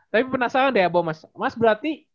tapi penasaran deh ya bahwa mas berarti